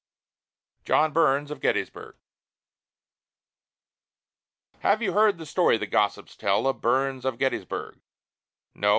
JOHN BURNS OF GETTYSBURG Have you heard the story that gossips tell Of Burns of Gettysburg? No?